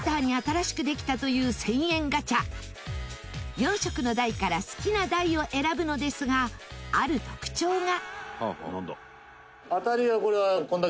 ４色の台から好きな台を選ぶのですがある特徴が。